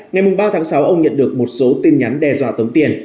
ngày ba tháng sáu ông nhận được một số tin nhắn đe dọa tống tiền